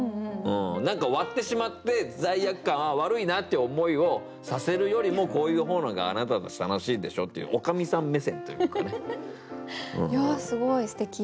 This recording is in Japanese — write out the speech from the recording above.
何か割ってしまって罪悪感ああ悪いなって思いをさせるよりもこういう方のがあなたたち楽しいでしょっていう女将さん目線というのかね。すごいすてき。